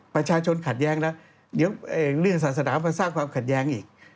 ประชาชนขัดแย้งแล้วเดี๋ยวเรื่องศาสนามาสร้างความขัดแย้งอีก